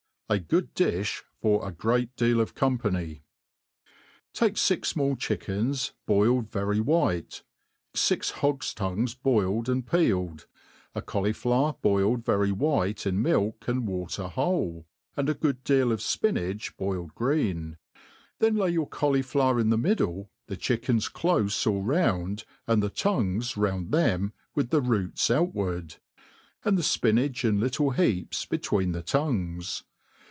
A good Dijh fot a gtedi deal of CofHpdHym TAKE fix fmall chickens, boiled Very white, fix hogs tongues boiled and peeled, a cauliflower boiled very white in milk and water whole, and a good deal of fpinach boiled green ; then lay your cauliflower in the middle, the chickens clofe all round, and the tongues round them with the roots outward^ 4»Dd the fpinach in little heaps between the tongues.